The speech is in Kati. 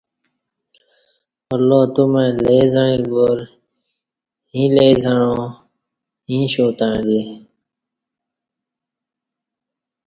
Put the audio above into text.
اللہ تومع لے زعیک وار ییں لے زعا ییں شو تݩع دی